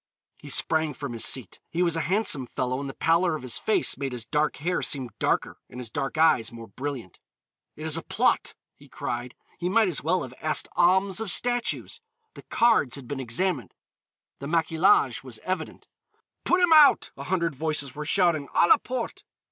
He sprang from his seat. He was a handsome fellow and the pallor of his face made his dark hair seem darker and his dark eyes more brilliant. "It is a plot," he cried. He might as well have asked alms of statues. The cards had been examined, the maquillage was evident. "Put him out!" a hundred voices were shouting; "_à la porte!